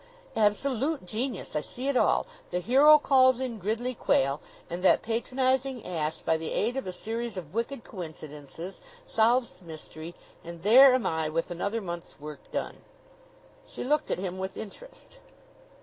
"Absolute genius. I see it all. The hero calls in Gridley Quayle, and that patronizing ass, by the aid of a series of wicked coincidences, solves the mystery; and there am I, with another month's work done." She looked at him with interest.